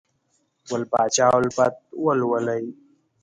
ګل پاچا الفت ولولئ!